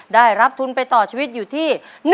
ได้รับทุนไปต่อชีวิตอยู่ที่